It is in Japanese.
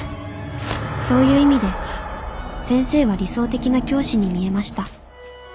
そういう意味で先生は理想的な教師に見えました」。